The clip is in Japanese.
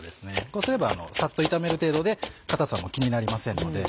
こうすればさっと炒める程度で硬さも気になりませんので。